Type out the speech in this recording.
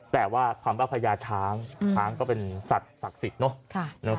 แต่ว่าคำว่าพญาช้างช้างก็เป็นสัตว์ศักดิ์สิทธิ์เนอะ